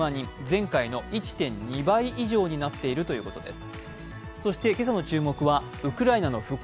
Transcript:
前回の１．２倍以上になっているということです。